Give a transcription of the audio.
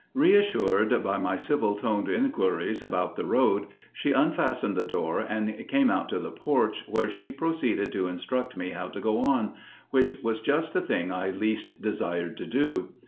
Reassured by my civil toned inquiries about the road, she unfastened the door and came out to the porch, where she proceeded to instruct me how to go on, which was just the thing I least desired to do.